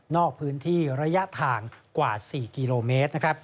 พื้นที่ระยะทางกว่า๔กิโลเมตร